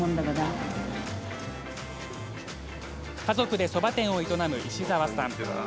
家族でそば店を営む石澤さん。